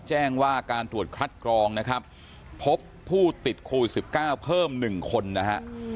แจ้งว่าการตรวจคัดกรองนะครับพบผู้ติดโควิด๑๙เพิ่ม๑คนนะฮะ